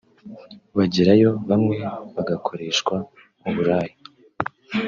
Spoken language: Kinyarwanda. bagerayo bamwe bagakoreshwa uburaya